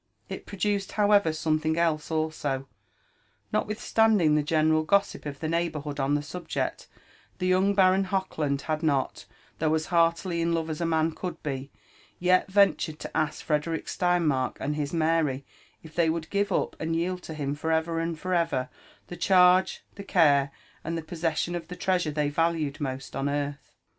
It produced, however, something else also. Not whistanding the general gossip of the neighbourhood on the subject, the young Baron Hochland had not, though as heartily in love as a man could be, yet ventured to ask Frederick Sleinmark and his Mary if they would give up, and yield to him for ever and for ever, the charge, the care, and the possession of the treasure they^valued most on earth.